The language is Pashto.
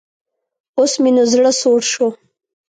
اوس مې نو زړۀ سوړ شو.